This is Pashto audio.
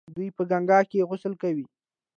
دوی په ګنګا کې غسل کوي.